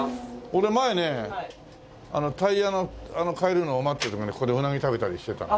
俺前ねタイヤの替えるのを待ってる時にここでウナギ食べたりしてたの。